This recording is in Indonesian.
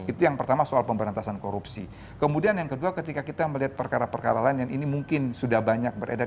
itu yang pertama soal pemberantasan korupsi kemudian yang kedua ketika kita melihat perkara perkara lain yang ini mungkin sudah banyak beredar